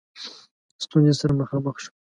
ستونزو سره مخامخ شو.